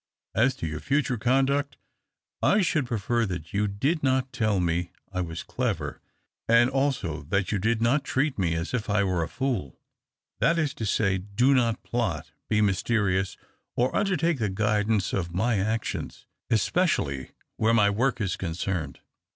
As to your future conduct, I should prefer that you did not tell me I was clever, and also that you did not treat me as if I were a fool — that is to say, do not plot, be mysterious, or undertake the guidance of my actions, especially where my 250 THE OCTAVE OF CLAUDIUS. work is concerned.